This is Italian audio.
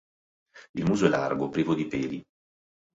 Il muso è largo, privo di peli.